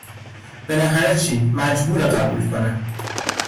بالاخره چی مجبوره قبول کنه